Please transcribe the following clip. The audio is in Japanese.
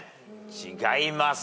違います。